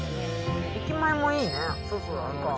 駅前もいいね。